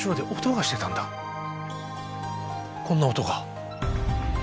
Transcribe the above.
こんな音が。